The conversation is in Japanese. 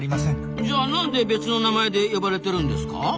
じゃあなんで別の名前で呼ばれてるんですか？